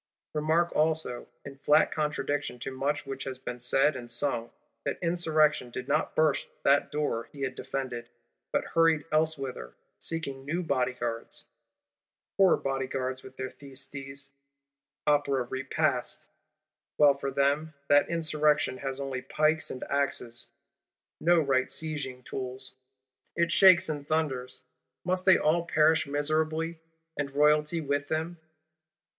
Remark also, in flat contradiction to much which has been said and sung, that Insurrection did not burst that door he had defended; but hurried elsewhither, seeking new bodyguards. Poor Bodyguards, with their Thyestes' Opera Repast! Well for them, that Insurrection has only pikes and axes; no right sieging tools! It shakes and thunders. Must they all perish miserably, and Royalty with them?